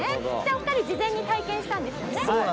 お二人、事前に体験したんですよね。